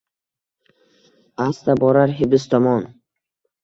Asta borar hibs tomon.